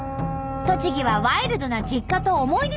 栃木はワイルドな実家と思い出の高台。